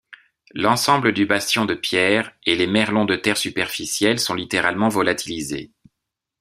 L'ensemble du bastion de pierre et les merlons de terre superficiels sont littéralement volatilisés.